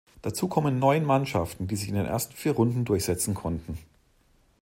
Dazu kommen neun Mannschaften, die sich in den ersten vier Runden durchsetzen konnten.